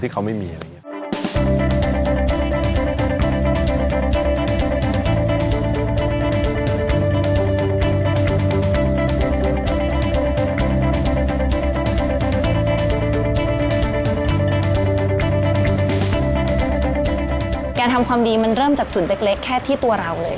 การทำความดีมันเริ่มจากจุดเล็กแค่ที่ตัวเราเลย